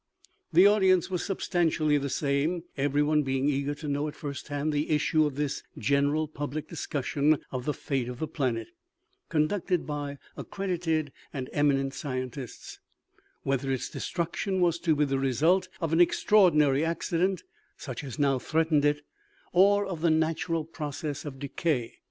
The audience was substantially the same, every one being eager to know at first hand the issue of this general public discussion of the fate of the planet, conducted by accredited and eminent scientists, whether its destruction was to be the result of an extraordinary accident such as now threatened it, or of the natural OMEGA. 75 process of decay.